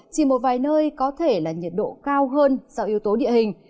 chỉ một vài nơi có thể là nhiệt độ cao hơn do yếu tố địa hình